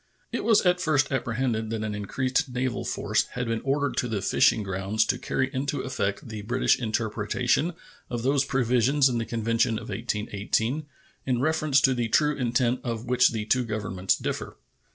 It was at first apprehended that an increased naval force had been ordered to the fishing grounds to carry into effect the British interpretation of those provisions in the convention of 1818 in reference to the true intent of which the two Governments differ.